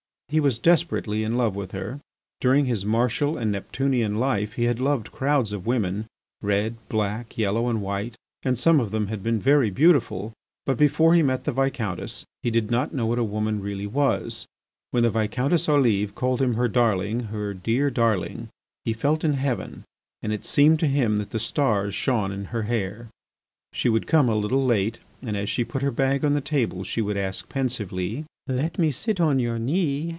He was desperately in love with her. During his martial and neptunian life he had loved crowds of women, red, black, yellow, and white, and some of them had been very beautiful. But before he met the Viscountess he did not know what a woman really was. When the Viscountess Olive called him her darling, her dear darling, he felt in heaven and it seemed to him that the stars shone in her hair. She would come a little late, and, as she put her bag on the table, she would ask pensively: "Let me sit on your knee."